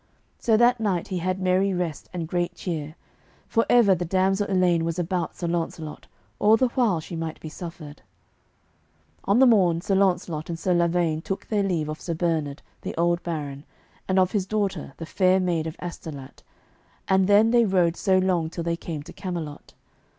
So that night he had merry rest and great cheer, for ever the damsel Elaine was about Sir Launcelot, all the while she might be suffered. On the morn Sir Launcelot and Sir Lavaine took their leave of Sir Bernard, the old baron, and of his daughter, the Fair Maiden of Astolat, and then they rode so long till they came to Camelot.